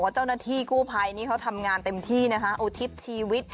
เจ้าหน้าที่กู้ภัยนี่เขาทำงานเต็มที่นะคะอุทิศชีวิต